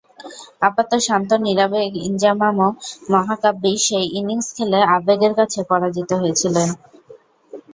আপাত শান্ত নিরাবেগ ইনজামামও মহাকাব্যিক সেই ইনিংস খেলে আবেগের কাছে পরাজিত হয়েছিলেন।